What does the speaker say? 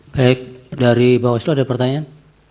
baik dari bawah situ ada pertanyaan